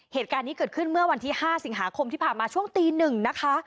เหตุการณ์นี้เกิดขึ้นเมื่อวันที่๕สิงหาคมที่ผ่านมาช่วงตี๑นะคะ